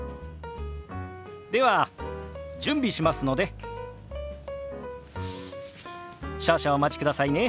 では準備しますので少々お待ちくださいね。